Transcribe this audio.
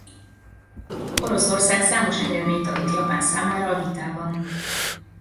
Oroszország számos engedményt adott Japán számára a vitában.